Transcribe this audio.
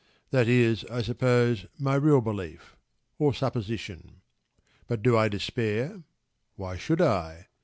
That is, I suppose, my real belief or supposition. But do I despair? Why should I?